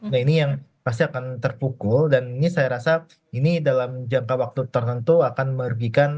nah ini yang pasti akan terpukul dan ini saya rasa ini dalam jangka waktu tertentu akan merugikan